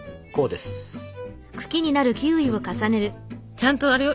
ちゃんとあれよ。